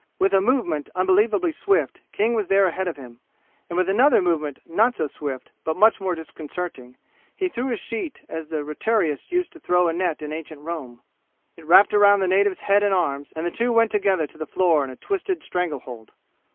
With a movement unbelievably swift King was there ahead of him; and with another movement not so swift, but much more disconcerting, he threw his sheet as the retiarius used to throw a net in ancient Rome. It wrapped round the native's head and arms, and the two went together to the floor in a twisted stranglehold.